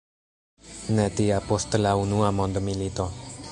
Ne tia post la unua mondmilito.